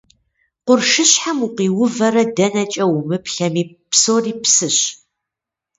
Къуршыщхьэм укъиувэрэ дэнэкӀэ умыплъэми, псори псыщ.